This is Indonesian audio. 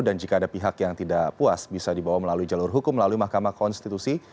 dan jika ada pihak yang tidak puas bisa dibawa melalui jalur hukum melalui mahkamah konstitusi